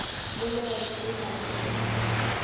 বলিয়া একটু হাসিল।